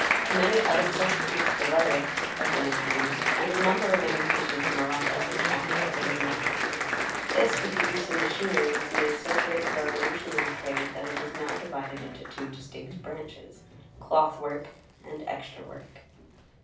Many other substitutes for leather have been introduced, and a number of imitations of morocco and calf are in the market; this, with the use of machinery, has made so great a revolution in the trade, that it is now divided into two distinct branches—cloth work and extra work.